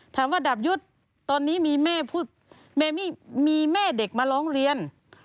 ถามว่าดาบยุทธ์ตอนนี้มีแม่เด็กมาร้องเรียน